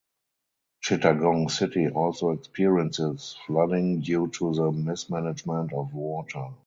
Chittagong city also experiences flooding due to the mismanagement of water.